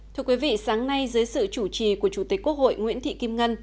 thưa quý vị sáng nay dưới sự chủ trì của chủ tịch quốc hội nguyễn thị kim ngân